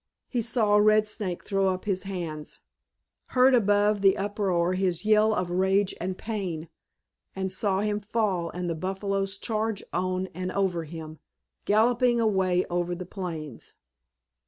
He saw Red Snake throw up his hands, heard above the uproar his yell of rage and pain, and saw him fall and the buffaloes charge on and over him, galloping away over the plains.